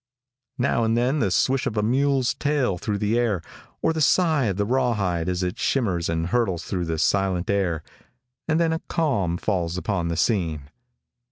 How and then the swish of a mule's tail through the air, or the sigh of the rawhide as it shimmers and hurtles through the silent air, and then a calm falls upon the scene.